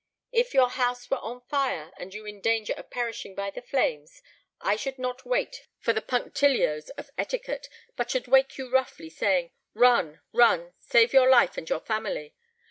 If your house were on fire, and you in danger of perishing by the flames, I should not wait for the punctilios of etiquette, but should wake you roughly, saying, 'Run, run, save your life and your family!'